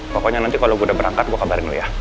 pokoknya nanti kalau gue udah berangkat gue kabarin dulu ya